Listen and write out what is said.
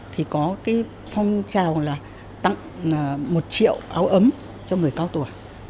thì có cái phong trào là tặng một triệu áo ấm cho người cao tuổi